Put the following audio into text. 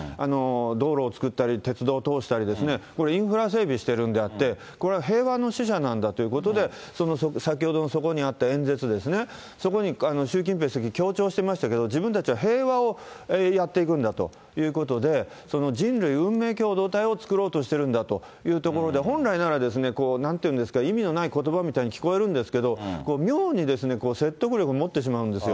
道路を造ったり、鉄道を通したりですね、これ、インフラ整備してるんであって、これは平和の使者なんだということで、その先ほどもそこにあった演説ですね、そこに習近平主席、強調してましたけど、自分たちは平和をやっていくんだということで、人類運命共同体を作ろうとしてるんだというところで、本来なら、なんて言うんですか、意味のないことばみたいに聞こえるんですけれども、妙に説得力を持ってしまうんですよ。